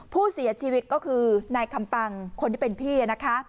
ผู้เสียชีวิตก็คือนายคำปังคนที่เป็นพี่นะคะ